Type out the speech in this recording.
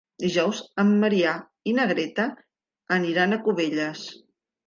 Dijous en Maria i na Greta aniran a Cubelles.